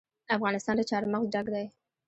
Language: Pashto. افغانستان له چار مغز ډک دی.